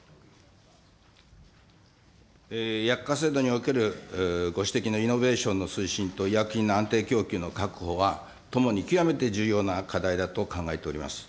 薬価制度におけるご指摘のイノベーションの推進と医薬品の安定供給の確保は、ともに極めて重要な課題だと考えております。